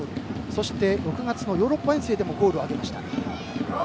そして６月のヨーロッパ遠征でもゴールを挙げました。